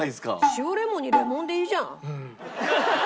塩レモンにレモンでいいじゃん。